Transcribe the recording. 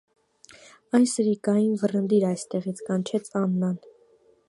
- Այն սրիկային վռնդիր այստեղից,- կանչեց Աննան: